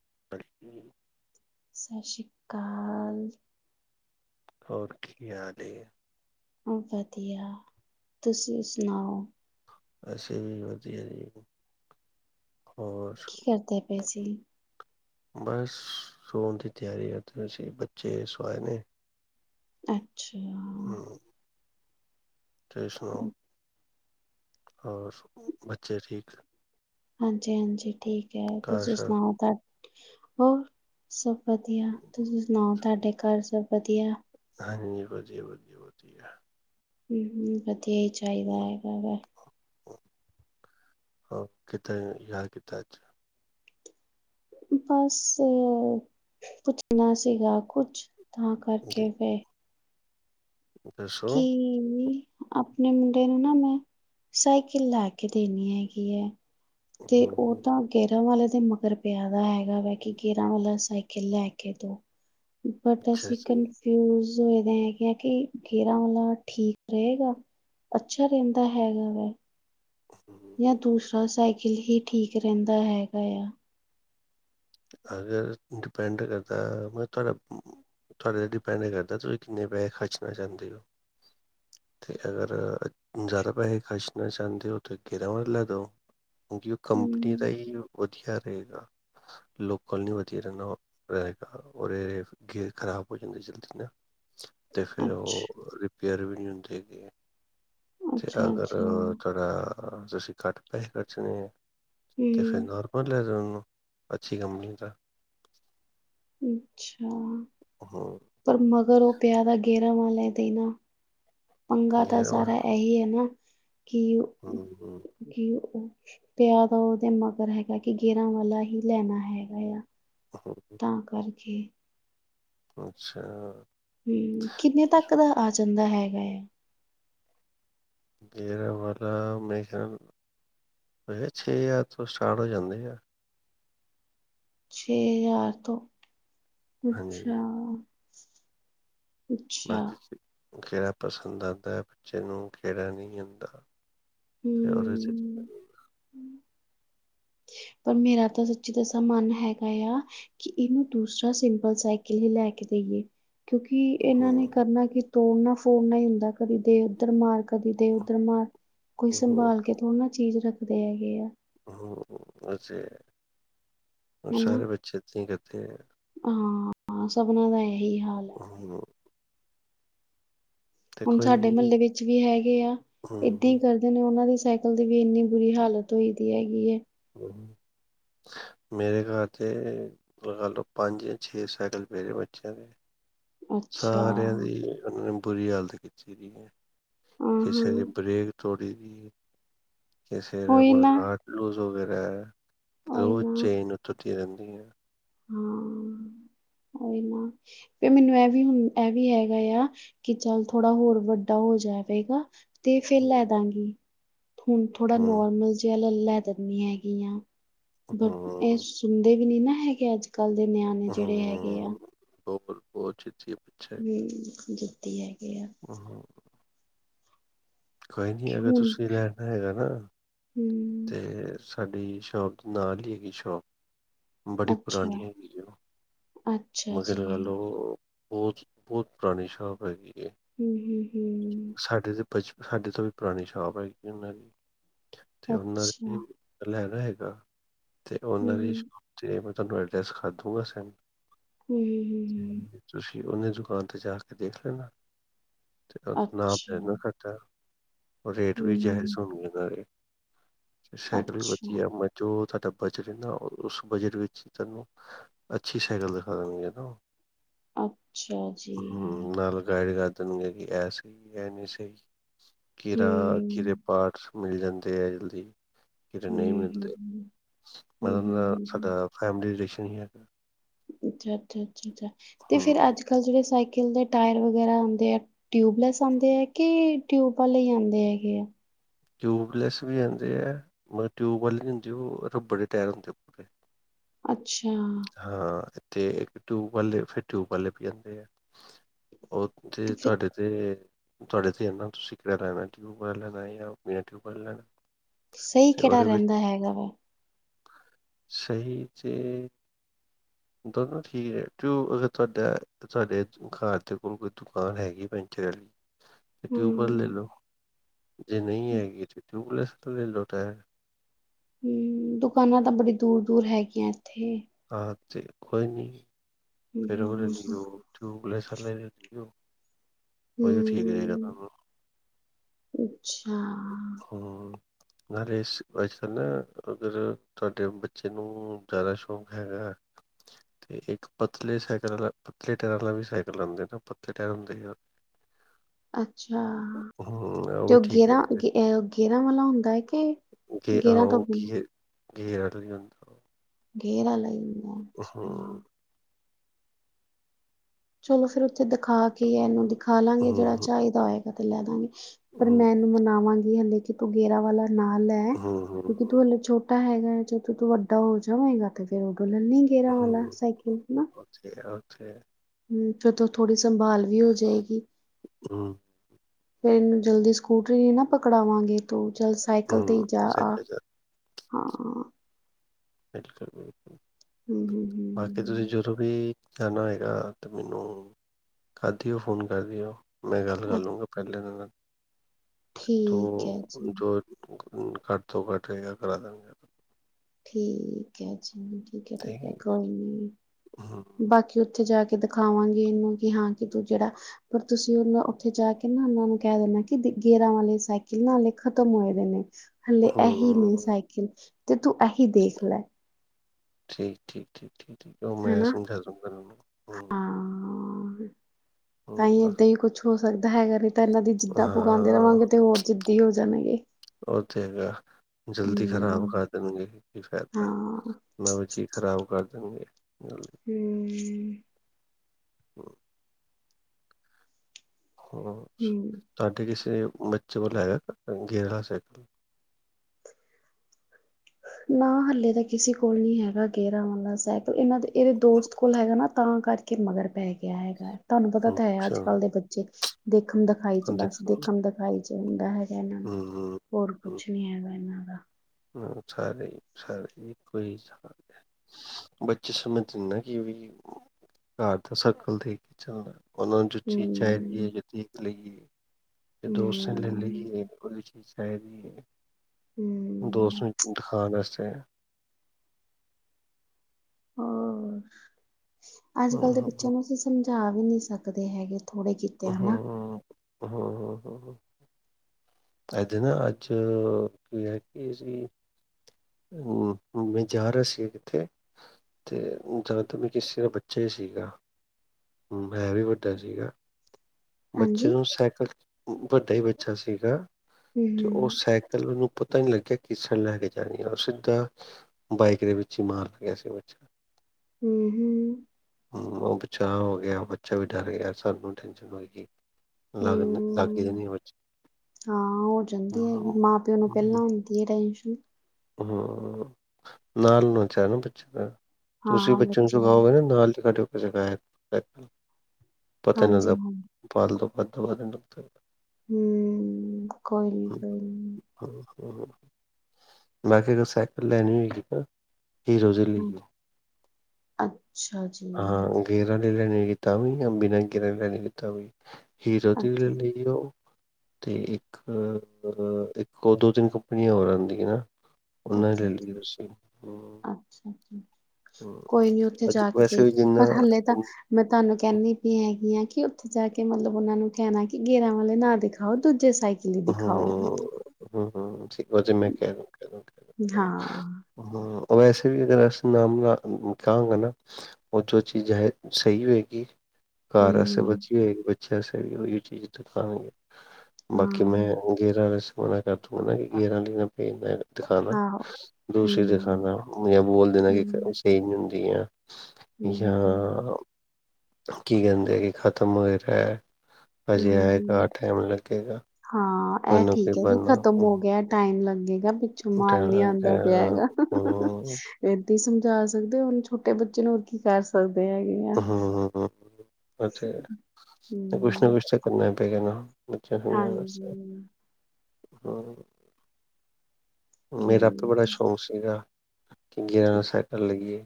[unintelligible] ਸਾਸੀ ਕਾਲ ਹੋਰ ਕੀ ਹਾਲ ਏ? ਵਧੀਆ, ਤੁਸੀਂ ਸੁਣਾਓ? ਅਸੀਂ ਵੀ ਵਧੀਆ ਜੀ। ਹੋਰ ਕੀ ਕਰਦੇ ਪਏ ਸੀ! ਬਸ ਸੋਣ ਦੀ ਤਿਆਰੀ ਕਰਦੇ ਸੀ ਬੱਚੇ ਸੋਵਾਏ ਨੇ ਅੱਛਾ! ਤੁਸੀਂ ਸੁਣਾਓ ਹੋਰ ਬੱਚੇ ਠੀਕ ਹਾਂਜੀ ਹਾਂਜੀ ਠੀਕ! ਘਰ ਤੁਸੀਂ ਸਭ? ਸੁਣਾਓ ਤੁਹਾਡੇ ਹੋਰ ਸਭ ਵਧੀਆ ਤੁਸੀਂ ਸੁਣਾਓ ਤੁਹਾਡੇ ਘਰ ਸਭ ਵਧੀਆ! ਹਾਂਜੀ ਵਧੀਆ ਵਧੀਆ ਵਧੀਆ! ਹੂ ਹੂ ਕੀ ਚਾਹੀਦਾ ਹੈਗਾ! ਹੋਰ ਕਿੱਦਾ ਯਾਦ ਕੀਤਾ ਅੱਜ ਬਸ ਪੁੱਛਣਾ ਸੀਗਾ ਕੁਛ ਤਾਂ ਜੀ ਕਰਕੇ ਫਿਰ ਕੀ ਦੱਸੋ? ਆਪਣੇ ਮੁੰਡੇ ਨੂੰ ਨਾ ਮੈਂ ਸਾਈਕਲ ਲੈ ਕੇ ਦੇਣੀ ਹੈਗੀ ਹੈ! ਤੇ ਉਹ ਹੂੰ ਤਾਂ ਗਹਿਰਾਂ ਵਾਲੇ, ਤੇ ਮਗਰ ਪਿਆ ਦਾ ਹੈਗਾ ਵਾ ਕਿ ਗੇਰਾਂ ਵਾਲਾ ਸਾਈਕਲ ਲੈ ਕੇ ਦੋ ਬਟ ਅੱਛਾ ਅਸੀ ਜੀ। ਕਨਫਿਉਜ਼, ਸੋਚਦੇ ਹੈਗੇ, ਕਿ ਗੇਰਾਂ ਵਾਲਾ ਠੀਕ ਰਹੇਗਾ ਅੱਛਾ ਰਹਿੰਦਾ ਹੈਗਾ ਵਾ, ਜਾਂ ਦੂਸਰਾ ਸਾਈਕਲ ਹੀ ਠੀਕ ਰਹਿੰਦਾ ਹੈਗਾ ਆ। ਅਗਰ ਡਿਪੈਂਡ ਕਰਦਾ ਮਹਾ ਤੁਹਾਡੇ ਤੇ ਡਿਪੈਂਡ ਕਰਦਾ ਤੁਸੀਂ ਕਿੰਨੇ ਪੈਸੇ ਖਰਚਣਾ ਚਾਹੁੰਦੇ ਹੋ, ਤੇ ਅਗਰ ਜ਼ਿਆਦਾ ਪੈਸੇ ਖਰਚ, ਚਣਾ ਚਾਹੁੰਦੇ ਔ ਤਾਂ ਗੇਰਾ ਵਾਲਾ ਲੇ ਦੋ, ਕਿਉਂਕਿ ਉਹ ਕੰਪਨੀ ਦਾ ਹੂੰ, ਹੀ ਵਧੀਆ। ਠੀਕ ਆ। ਲੋਕਲ ਨਹੀਂ ਵਧੀਆ ਰਹਿੰਦਾ ਰਹੇਗਾ ਔਰ ਇਹਦੇ ਗੇਅਰ ਖ਼ਰਾਬ ਹੋ ਜਾਂਦੇ ਜਲਦੀ ਨਾ, ਤੇ ਫਿਰ ਅੱਛਾ, ਉਹ, [unintelligible] ਤੇ ਅੱਛਾ, ਅਗਰ ਅੱਛਾ, ਤੁਹਾਡਾ, ਹਾਂ ਤੁਸੀਂ ਘੱਟ ਪੈਸੇ ਖਰਚਣੇ ਹੈ। ਤੇ ਫਿਰ ਹੂੰ। ਨੋਰਮਲ ਲੈ ਦੀ ਉਨੂੰ, ਅੱਛੀ ਕੰਪਨੀ ਦਾ, ਅੱਛਾ, ਹੂੰ ਪਰ ਅਗਰ ਉਹ ਪਿਆ ਦਾ ਗੇਰ, [unintelligible] ਦੇ ਨਾ ਪੰਗਾ ਤਾਂ ਗੇਅਰਵਾਲ ਸਾਰਾ ਐਹੀ ਹੈ ਨਾ, ਹੂੰ ਕੀ-ਕੀ, ਤੇ ਆਹ ਤਾਂ ਔਦੇ ਮਗਰ ਹੈਗਾ, ਕਿ ਗੇਅਰਾਂ ਵਾਲਾ ਹੀ ਲੈਣਾ ਹੈਗਾ ਆ। ਹੂੰ ਤਾਂ ਕਰਕੇ, ਅੱਛਾ, ਹੂੰ, ਕਿੰਨੇ ਤੱਕ ਦਾ ਆ ਜਾਂਦਾ ਹੈ। ਮੈਂ ਜਰਾ ਮਤਲਬ, ਮੈਕਸੀਮਲ ਛੇ ਹਜ਼ਾਰ ਤੋਂ ਸਟਾਰਟ ਹੋ ਜਾਂਦੇ ਐ। ਛੇ ਹਜ਼ਾਰ ਤੋਂ। ਹਾਂਜੀ ਅੱਛਾ, ਅੱਛਾ ਬਾਕੀ ਕਿਹੜਾ ਪਸੰਦ ਆਂਦਾ ਐ ਬੱਚੇ ਨੂੰ, ਕਿਹੜਾ ਨਹੀਂ ਆਂਦਾ। ਤੇ ਹੋਰ ਛੇਤੀ ਕਰ। ਹੂੰ ਪਰ ਮੇਰਾ ਤਾਂ ਸੱਚੀ ਦਸਾ ਮਨ ਹੈਗਾ ਆ, ਕਿ ਇਹਨੂੰ ਦੂਸਰਾ ਸਿੰਪਲ ਸਾਈਕਲ ਹੀ ਲੈ ਕੇ ਦੇਈ ਏ। ਕਿਉਂਕਿ ਇਹਨਾਂ ਨੇ ਹਮ ਕਰਨਾ ਕਿ ਤੋੜਨਾ ਫੋੜਨਾ ਹੀ ਹੁੰਦਾ ਕਦੀ ਦੇ, ਉੱਧਰ ਮਾਰਗ ਤੋ। ਕਦੀ ਦੇ ਉਧਰ ਮਾਰ, ਕੋਈ ਹਮ ਸੰਭਾਲ ਕੇ ਥੋੜੀ ਨਾ ਚੀਜ਼ ਰੱਖਦਾ। ਦੇ ਗਿਆ ਆ ਹੂ ਅਛੇ ਐ। ਉਹ ਹਨਾ ਸਾਰੇ ਬੱਚੇ ਇਥੇ ਹੀ ਕਰਤੇ ਹੈਂ। ਹਾਂ ਸਭਨਾ ਦਾ ਹੈ। ਏ ਹਾਲ ਹੈ, ਏ। ਤੇ ਹੁਣ ਕੋਈ ਸਾਡੇ ਨੀ ਮਹੱਲੇ ਵਿੱਚ ਵੀ ਹੈਗੇ ਆ, ਇਦੇ ਹਮ ਹੀ ਕਰਦੇ ਨੇ ਉਹਨਾਂ ਦੇ ਸਾਈਕਲ ਦੀ ਵੀ ਇੰਨੀ ਬੁਰੀ ਹਾਲਤ ਹੋਈ ਦੀ ਹੈਗੀ ਐ। ਮੇਰੇ ਘਰ ਤੇ ਲਗਾ ਲੋ, ਪੰਜ ਜਾਂ ਛੇ ਸਾਈਕਲ ਪਏ ਨੇ, ਬੱਚਿਆਂ ਦੇ। ਅੱਛਾ ਸਾਰਿਆਂ ਹਾਂ ਦੀ, ਅੰਬਨ ਬੁਰੀ ਹਾਲਤ ਕੀਤੀ ਦੀ ਹੈ। ਕਿਸੇ ਦੀ ਹਾਂ ਬਰੇੇਕ ਥੋੜੀ ਠੀਕ ਕੇਸੇਰ ਉਹੀ ਆਪਰ ਨਾ ਗਾਟ ਲੂਜ਼ ਵਗੈਰਾ ਹੈ ਉਹੀ ਰਹ ਨਾ ਚੇਨ ਟੁੱਟ - ਰਹਦੀ ਐ। ਹਾਂ ਔਹੀ ਨਾ, ਵੇ ਮੈਨੂੰ ਇਹ ਵੀ ਹੁਣ ਇਹ ਵੀ ਹੈਗਾ ਆ ਕਿ ਚੱਲ ਥੋੜਾ ਹੋਰ ਵੱਡਾ ਹੋ ਜਾਵੇਗਾ। ਤੇ ਫਿਰ ਲੈ ਦਾਂਗੀ। ਹੁਣ ਥੋੜਾ ਹਮ ਨੋਰਮਲ ਜਿਹਾ ਲਲ ਲੈ ਤਾਂ ਨਹੀਂ ਹੈਗੀ ਆਂ। ਬਟ ਇਹ ਹਮ ਸੁਣਦੇ ਵੀ ਨੀ ਨਾ। ਪਿਆਜ ਅੱਜ- ਕੱਲ ਦੇ ਨਿਆਣੇ ਜਿਹੜੇ ਹੈਗੇ ਆ। ਉਹ ਚੀ ਹੂੰ। ਤੇ ਹੈ ਦੇ ਆ ਹੂੰ, ਕੋਈ ਨਹੀਂ ਕਿ ਅਗਰ ਹੁਣ ਤੁਸੀਂ ਲੈਨਾ ਹੈਗਾ ਨਾ ਹੂੰ ਤੇਜ਼ ਸਾਡੀ ਸ਼ੋਪ ਦੇ ਨਾਲ ਹੀ ਹੈਗੀ ਸ਼ੋਪ ਬੜੀ ਅੱਛਾ ਪੁਰਾਨੀ ਹੈਗੀ ਉਹ ਅੱਛਾ ਜੀ ਮਗਰ ਲੱਲਓ ਬਹੁਤ ਬਹੁਤ ਪੁਰਾਣੀ ਛਾਂਪ ਹੈਗੀ। ਏ। ਹੂੰ ਹੂੰ। ਹੂੰ ਸਾਡੇ ਤੇ ਬਚ ਸਾਡੇ ਤੋਂ ਵੀ ਪੁਰਾਣੀ ਸ਼ਾਪ ਹੈਗੀ ਉਹਨਾਂ ਦੀ ਤੇ ਉਹਨਾਂ ਅੱਛਾ ਦੀ ਲੈਣ ਰਹੇਗਾ। ਤੇ ਉਹ ਹੂੰ ਹੂੰ ਨਰੇਸ਼ ਗੁਪਤੀ ਤੁਹਾਨੂੰ ਐਡਰੈਸ ਕਰ ਦੂੰਗਾ ਸੈਂਡ ਹੂੰ ਹੂੰ ਹੂੰ। ਅਤੇ ਉਹਨਾਂ ਦੀ ਦੁਕਾਨ ਤੇ ਜਾ ਕੇ ਦੇਖ ਲੈਨਾ। ਤੇ ਨਾਪ ਅੱਛਾ ਦੇਣਾ ਖਟਾ ਰੇਟ ਵੀ ਹੂੰ ਜਹਿਜ਼ ਹੂੰ ਸੁਣਏਗਾ ਇਹ ਸਾਇਕਲ ਵੀ ਬਚੀ ਅੱਛਾ ਆ ਮ ਜੋ ਤੁਡਾ ਬਜਟ ਹੈ ਨਾ ਉਸ ਬਜਟ ਵਿੱਚ ਤੈਨੂੰ ਅੱਛੀ ਸਾਈਕਲ ਦਿਖਾ ਦੇਣਗੇ ਨਾ ਅੱਛਾ ਜੀ ਹੂੰ ਨਾਲ ਗਾਈਡ ਗ ਤੈਨੂੰ ਦੇ ਵੀ ਐਸ ਹੈ ਨਹੀਂ ਸਹੀ। ਕੀਰਾ ਹੂੰ ਕਿਰੇ ਪਾਰਟਸ ਮਿਲ ਜਾਂਦੇ ਹੈ ਜਲਦੀ ਕਿਤੇ ਹੂੰ ਨਹੀਂ ਹੂੰ ਮਿਲਦੇ ਹੂੰ ਮੈਂ ਤਾਂ ਹੂੰ ਹੂੰ ਸਾਡਾ ਫੈਮਲੀ ਰਿਲੇਸ਼ਨ ਨਹੀਂ ਹੈ ਗਾ ਅੱਛਾ। ਅੱਛਾ ਅੱਛਾ ਤੇ ਫਿਰ ਹੂੰ ਅੱਜ ਕੱਲ੍ਹ ਜਿਹੜੇ ਸਾਈਕਲ ਦੇ ਟਾਇਰ ਵਗੈਰਾ ਆਉਂਦੇ ਆ ਟਿਊਬਲੈਸ ਆਉਂਦੇ ਆ ਕਿ ਟਿਊਬ ਵਾਲੇ ਆਉਂਦੇ ਹੈਗੇ ਆ। ਟਿਊਬਲੈਸ ਵੀ ਆਉਂਦੇ ਹੈ ਮਗਰ ਟਿਊਬ ਵਾਲੀ ਹੁੰ ਉਹ ਰੱਬੜ ਦੇ ਟਾਇਰ ਹੁੰਦੇ ਪੂਰੇ ਅੱਛਾ ਹਾਂ। ਅਤੇ ਇੱਕ ਟਿਊਬ ਵਾਲੇ ਫਿਰ ਟਿਊਬ ਵਾਲੇ ਵਿ ਆਦੇ ਆ ਉਹ ਤੇ ਤੁਹਾਡੇ ਤੇ ਤੁਹਾਡੇ ਤੇ ਇਨਾ ਤੁਸੀਂ ਕਿਹੜਾ ਲੈਣਾ ਟਿਊਬ ਵਾਲਾ ਲੈਣਾ ਜਾਂ ਬੀਣਾ ਟਿਊਬ ਵਾਲਾ ਲੈਣਾ। ਸਹੀ ਤੇ ਕਿਹੜਾ ਉਹਦੇ ਵਿੱਚ ਰਹਿੰਦਾ ਹੈਗਾ ਵਾ ਸਹੀ ਤੇ ਦੋਨੋ ਠੀਕ ਹੈ ਟਿਊ ਅਗਰ ਤੁਹਾਡਾ ਤੁਹਾਡੇ ਘਰ ਦੇ ਕੋਲ ਕੋਈ ਦੁਕਾਨ ਹੈਗੀ ਪੈਂਚਰ ਆਲੀ ਤੇ ਟਿਊਬ ਵਾਲਾ ਲੈ ਹਮ ਲੋ ਜੇ ਨਹੀਂ ਹੈਗੀ ਤੇ ਟਿਊਬਲੇੈਸ ਲ ਲੋ ਟਾਇਰ ਹੂੰ ਦੁਕਾਨਾਂ ਤਾਂ ਬੜੀ ਦੂਰ-ਦੂਰ ਹੈ ਗੀਆ ਏਥੇ ਹਾ ਤੇ ਕੋਈ ਨੀ ਹਮ ਫੇਰ ਓਹ ਹਮ ਹਮ ਲੈਂਦੀ ਓ ਟਿਊਬਲੈਸ ਆਲੇ ਲੈਂਦੀ ਓ ਕੋਈ ਵੀ ਠੀਕ ਰਏਗਾ ਹਮ ਤੁਹਾਨੂੰ [unintelligible] ਅੱਛਾ ਹਮ ਨਾਲੇ ਇਸ ਅੱਜ ਕੱਲ੍ਹ ਨਾ ਅਗਰ ਤੁਹਾਡੇ ਬੱਚੇ ਨੂੰ ਜ਼ਿਆਦਾ ਸ਼ੌਕ ਹੈਗਾ ਤੇ ਇੱਕ ਪਤਲੇ ਸਾਈਕਲਾ ਆਲਾ ਪਤਲੇ ਟਹਿਰ ਵਾਲਾ ਵੀ ਸਾਈਕਲ ਆਉਂਦੇ ਨੇ ਪਤਲੇ ਟਾਇਰ ਹੁੰਦੇ ਅੱਛਾ ਹਮ ਤੇ ਵੀ ਉਹ ਠੀਕ ਗੇਰਾਂ ਰਹਿੰਦੇ ਗੇ ਇਹ ਗੇਅਰਾਂ ਵਾਲਾ ਹੁੰਦਾ ਹੈ ਕਿ ਗੇਅਰਾਂ ਤੋਂ ਬਿਨਾਂ ਗੇਰ ਵਾਲ ਨਹੀਂ ਹੁੰਦਾ ਗੇਰਾ ਵਾਲਾ ਹੁੰਦਾ ਹੂੰ ਅੱਛਾ ਓਹ ਫੇਰ ਉੱਥੇ ਦਿਖਾ ਕੇ ਇਹਨੂੰ ਖਾ ਲਾਗੇ ਜਿਹੜਾ ਚਾਹੀਦਾ ਏ ਲੈਦਾ ਗੇ ਪਰ ਮੈਂ ਇਹਨੂੰ ਮਨਾਵਾਂਗੀ ਹਲੇੇ ਕਿ ਤੂੰ ਗੇਰਾ ਵਾਲਾ ਨਾ ਲੈ ਕਿਉਂਕਿ ਤੂੰ ਹਾਲੇ ਛੋਟਾ ਹੈ ਜਦੋਂ ਤੂੰ ਵੱਡਾ ਹੋ ਜਾਵੇਗਾ ਤੇ ਫੇਰ ਬੋਲਣ ਨਹੀਂ ਗੇਰਾ ਵਾਲਾ ਸਾਾਈਕਲ ਹਨਾਂ [unintelligible] ਹੂੰ ਫਿਰ ਤਾਂ ਥੋੜੀ ਸੰਭਾਲ ਵੀ ਹੋ ਜਾਏਗੀ ਫੇਰ ਇਹਨੂੰ ਜਲਦੀ ਸਕੂਟਰੀ ਨਾ ਪਕੜਾਵਾਂਗੇ ਤੂੰ ਚਲ ਸਾਈਕਲ ਤੇ ਹੀ ਜਾ ਆ ਸੈਕਟਰ ਹਾਂ ਬਿਲਕੁੱਲ ਬਾਕੀ ਤੁਸੀਂ ਹੂੰ-ਹੂੰ-ਹੂੰ-ਹੂੰ-ਹੂੰ। ਜ਼ਰੂਰੀ ਜਾਣਾ ਹੋਏਗਾ ਤੇ ਮੈਨੂੰ ਕਰ ਦਿਓ ਫੋਨ ਕਰ ਦਿਓ ਮੈਂ ਗੱਲ ਕਰ ਲੂੰਗਾ ਪਹਿਲਾਂ ਇਹਨਾਂ ਨਾਲ ਤੋ ਠੀਕ ਹੈ ਜੀ, ਜੋ ਘੱਟ ਤੋਂ ਘੱਟ ਹੈਗਾ ਕਰਾ ਦਾਂਗੇ ਠੀਕ ਹੈ ਜੀ। ਠੀਕ ਹੈ ਤੇ -ਠੀਕ ਹੈ ਕੋਈ ਨੀ ਹਮ ਬਾਕੀ ਉੱਥੇ ਜਾ ਕੇ ਦਿਖਾਵਾਂਗੇ ਇਹਨੂੰ ਕਿ ਹਾਂ ਕਿ ਤੂੰ ਜਿਹੜਾ ਪਰ ਤੁਸੀਂ ਉਹ ਉੱਥੇ ਜਾ ਕੇ ਨਾ ਉਹਨਾਂ ਨੂੰ ਕਹਿ ਦੇਿੰਣਾ ਕਿ ਗੇਅਰਾਂ ਵਾਲੇ ਸਾਈਕਲ ਨਾਲੇ ਖ਼ਤਮ ਹੋਏ ਦੇ ਨੇ। ਹਲੇ ਇਹਹੀ ਨਹੀ ਹਮ ਸਾਈਕਲ। ਤੇ ਤੂੰ ਐਹੀ ਦੇਖ ਲੈ। ਠੀਕ- ਠੀਕ ਠੀਕ - ਠੀਕ, ਠੀਕ ਉਹ ਮੈਂ ਹਨਾ ਸਮਝਾ ਦੂੰਗਾ ਉਹਨੂੰ ਹੂੰ ਹਾਂ। ਤਾਂ ਹੀ ਏਦਾਂ ਹੀ ਕੁਛ ਹੋ ਸਕਦਾ ਹੈਗਾ ਨਹੀਂ ਤਾਂ ਇਹਨਾਂ ਦੀ ਜਿੱਦਾਂ ਉਗਾਉਂਦੇ ਹਾਂ ਰਵਾਂਗੇ ਤੇ ਹੋਰ ਜਿੱਦ ਹੋ ਜਾਣਗੇ ਉਹ ਤੇ ਹੈਗਾ ਜਲਦੀ ਖ਼ਰਾਬ ਹਮ ਕਰ ਦੇਣਗੇ ਕੀ ਫਾਇਦਾ ਹਾਂ। ਦਨ ਗੇ। ਹੂੰ ਹ [inaudible] [inaudible] ਹੋਰ ਹੂੰ ਤੁਹਾਡੇ ਕਿਸੇ ਅਤੇ ਬੱਚੇ ਕੋ ਲ ਹੈਗਾ ਗੇਅਰਾ ਵਾਲਾ ਸਾਈਕਲ। ਨਾ ਹਾਲੇ ਤਾਂ ਕਿਸੇ ਕੋਲ ਨਹੀ ਹੈਗਾ ਗਿਅਰਾ ਸਾਈਕਲ ਇਹਨਾਂ ਦੇ ਇਹਦੇ ਦੋਸਤ ਕੋਲ ਹੈਗਾ ਨਾ। ਤਾਂ ਕਰਕੇ ਮਗਰ ਪੈ ਗਿਆ ਹੈਗਾ ਹੈ। ਤੁਹਾਨੂੰ ਪਤਾ ਤਾਂ ਹੈ ਅੱਜ ਅੱਛਾ ਕੱਲ੍ਹ ਦੇ ਬੱਚੇ ਖਮ ਦਿਖਾਈ ਚ ਬਸ ਦੇਖਮ ਦਿਖਾਈ ਚ। ਹੁੰਦਾ ਹੈ। ਹੂੰ ਹੋਰ ਕੁ ਕੁਛ ਨੀ ਹੈਗਾ ਇਹਨਾਂ ਦਾ। ਸਾਰੇ ਹੀ-ਸਾਰੇੋ ਹੀ [unintelligible] ਬੱਚੇ ਸਮਝ ਦੇ ਨੀ ਕਿ ਵੀ ਘਰ ਦਾ ਸਰਕਲ ਦੇਖ ਕੇ ਚੱਲਣਾ। ਉਹ ਨੂੰ ਜੋ ਚੀਜ਼ ਚਾਹੀਦੀ ਹੈ ਹੂੰ ਉਹ ਦੇਖ ਲਏਗੀ। ਤੇ ਦੋਸਤ ਨੇ ਲੈ ਲਈ ਹੂੰ [unintelligible] ਵੀ [unintelligible] ਦੋਸਤ ਹੂੰ ਨੂੰ ਦਿਖਾਨ ਆਸ ਤਾਂ ਹਾਂ ਅੱਜ ਹੂੰ ਕੱਲ ਦੇ ਹੂੰ, ਬੱਚਿਆਂ ਨੂੰ ਅਸੀਂ ਸਮਝ ਜਾ ਵੀ ਨਹੀਂ ਸਕਦੇ ਹੈਗੇ। ਥੋੜੇ ਕੀਤੇ ਹਨਾ। ਹਾਂ ਹਾਂ ਐਤੇ ਨਾ ਅੱਜ ਕੀ ਹੈ ਕਿ ਸੀ ਅਉ ਮੈਂ ਜਾ ਰਿਹਾ ਸੀ ਕਿੱਥੇ ਤੇ ਜਾਂ ਤਾਂ ਮੈਂ ਕਿਸੇ ਦਾ ਬੱਚਾ ਹੀ ਸੀਗਾ ਮੈਂ ਵੀ ਵੱਡਾ ਸੀਗਾ। ਬੱਚੇ ਹਾਂਜੀ ਨੂੰ ਸੈਕਲ ਵੱਡਾ ਹੀ ਬੱਚਾ ਸੀਗਾ। ਹੂੰ ਤੇ ਉਹ ਸਾੲਕਲ ਉਹਨੂੰ ਪਤਾ ਨੀ ਲੱਗਿਆ ਕਿਸੜ ਲੈ ਕੇ ਜਾਣੀ ਆ ਔ ਸਿੱਧਾ ਬਾਈਕ ਦੇ ਵਿੱਚ ਹੀ ਮਾਰ ਗਿਆ ਸੀ ਬੱਚਾ। ਹੂੰ-ਹੂੰ। ਓਹ ਬਚਾਅ ਹੋ ਗਿਆ, ਬੱਚਾ ਵੀ ਡਰ ਗਿਆ, ਸਾਨੂੰ ਟੈਨਸ਼ਨ ਹੋਏਗੀ। ਹੂੰ, ਹਾਂ ਹੋ ਜਾਂਦੀ ਹੂੰ। ਹੈਗੀ ਮਾਂ ਪਿਓ ਨੂੰ ਪੈਲਾਂ ਹੁੰਦੀ ਏ ਟੈਂ ਹੁ ਹ ਨਾਲ [unintelligible] ਨਾ ਬੱਚੇ ਦਾ। ਤੁਸੀਂ ਬੱਚੇ ਨੂੰ ਸਿਖਾਓਗੇ ਨਾ ਨਾਲ ਤੇ ਕੱਟੋ [unintelligible] ਪਤਾ ਨੀ ਲਗਦਾ ਹਾਂਜੀ ਹਾਂ ਪਾਲ ਦੋ [unintelligible] ਹੂੰ ਕੋਈ ਨੀ, ਕੋਈ ਨੀ। ਹੂੰ। ਵੈਸੇ ਜੇ ਸਾਈਕਲ ਲੈਣੀ ਹੋਏਗੀ ਨਾ ਹੀਰੋ ਜੋ ਲਈਓ। ਅਗ ਅੱਛਾ ਜੀ। ਲੀ ਲੈਣੀ ਵੀ ਤਾਵੀ ਬਿਨਾਂ ਗੇਰਾਂ ਆਲੀ ਲੈਣੀ ਵੀ ਤਾਂ ਵੀ ਹੀਰੋ ਦੀ ਵੀ ਅੱਛਾ ਲਲ ਈਓ। ਤੇ ਇੱਕ ਇੱਕ ਔ ਦੋ ਤਿੰਨ ਕਪਨੀਆਂ ਹੋਰ ਆਦੀਆਂ। ਉਨਾ ਅੱਛਾ ਲੈ ਅੱਛਾ ਲਿਔ ਸੇਮ ਅੱਛਾ ਅੱਛਾ ਕੋਈ ਨੀ ਉੱਥੇ ਜਾ ਕੇ ਦੇਖ ਪਰ ਹਲੇੇ ਤਾਂ ਮੈਂ ਤਾਨੂੰ ਕੈੰਨੀ ਪਈ ਹੈਗ ਗੀ ਆ ਕਿ ਉੱਥੇ ਜਾ ਕੇ ਮਤਲਬ ਉਨਾਂ ਨੂੰ ਕੈਣਾ ਕਿ ਗੇਰਾਂ ਵਾਲੇ ਨਾ ਦਿਖਾਓ ਦੂਜ ਜੇ ਸਾਈਕਿਲ ਈ ਹਾਂ ਦਿਖਾਓ। ਹਾਂ ਠੀ ਵਜੇ ਮੈਂ ਕੈ ਦਾਗਾਂ ਕੈ ਦਾਗਾਂ ਕੈ ਹਾਂ ਦਾਗਾਂ, ਹਾਂ। ਵੈਸੇ ਵੀ ਅਗਰ ਅਸੀਂ ਨਾਮ ਲਾ ਕਾਗਾਂ ਨਾ ਔ ਜੋ ਚੀਜ਼ ਹੈ ਸਹੀ ਹੋਏਗੀ। ਕਾਰ ਅਸੇ ਹੂੰ ਬਚੀ ਹੋਏਗੀ ਬ ਚੈ ਸੈ ਵੀ ਓਈਓ ਚੀਜ਼ ਦਿਖਾਯੈ। ਹਾਂ। ਗੇਰਾਂ ਆਲੇ [unintelligible] ਕਰੱਟ ਗੇਰਾਂ ਆਲੀ ਨਾ ਭੇਜ ਨਾ। ਦਿਖਾਨਾ ਆਹੋ ਦੂਸਰੀ ਹੂੰ ਦਿਖਾਨਾ ਜਾਂ ਬੋਲ ਦੇਣਾ ਕਿ ਹੂੰ ਸੇਮ ਈ ਹੁੰਦੀ ਹੈ। ਹੂੰ ਜਾਂ, ਕੀ ਕਹਿੰਦੇ ਐ ਕਿ ਖਤਮ ਹੋਏ ਦੈ ਹਜੇ ਹੂੰ ਆਏਗਾ, ਹੂੰ ਟਾਈਮ ਲੱਗੇਗਾ। ਹਾਂ ਇਹ ਠੀਕ ਹੈ, ਕਿ ਖਤਮ ਹੋ ਗਿਆ ਟਾ ਈਮ ਲੱਗੇ, ਪਿੱਛੋਂ ਮਾਲ ਨੀ ਆਂਦਾ ਪਿਆ ਹੈਗਾ ਸਮਝਾ ਸਕਦੇ ਹੁਣ ਛੋਟੇ ਬੱਚੇ ਨੂੰ ਹੋਰ ਕੀ ਕਹਿ ਸਕਦੇ। ਹੈਗੇ ਆ। ਅੱਛਾ, ਕੁਛ ਨਾ ਹੂੰ ਕੁਛ ਤੇ ਕਰਨਾ, ਫੇਰ ਕਹਿਨਾ, [unintelligible] ਹਾਂਜੀ, ਹਾਂ, ਮੇਰਾ ਆਪ ਹੂੰ ਬੜਾ ਸ਼ੌਂਕ ਸੀਗਾ। ਕਿ ਗੇਰਾ ਵਾਲਾ ਸਾਈਕਲ ਲੱਈਏ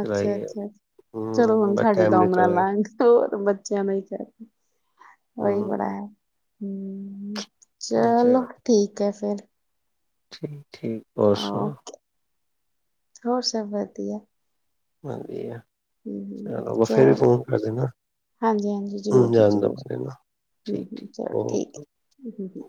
ਅੱਛਾ ਅੱਛਾ ਚਲੋ ਹੁਣ ਬਟ ਸਾਡੇ ਟਾਈਮ ਦਮ ਨਾ ਨਿਕਲ ਗਿਆ। ਲਾਂਘ ਹੋਰ ਬੱਚਿਆਂ ਮ ਕਰਕੇ, [unintelligible] ਉਹੀ ਬੜਾ ਹੂੰ ਹੈ। ਹੂੰ, ਅੱਛਾ ਚਲੋ ਠੀਕ ਹੈ ਫਿਰ, ਠੀਕ, ਠੀਕ ਅੱਛਾ, ਹੋਰ ਸਭ ਵਧੀਆ, ਹਾਂਜੀ ਆ, ਹ ਚਲੋ ਦੇਣਾ ਹਾਂਜੀ-ਹਾਂਜੀ ਜ਼ਰੂਰ ਜੀ ਜਾਣ ਦੋ ਜ਼ਰੂਰ ਮੈਨੂੰ ਨਾ ਹੂੰ ਠੀਕ ਠੀਕ ਚਲੋ ਠੀਕ ਓਕੇ ਹੈ।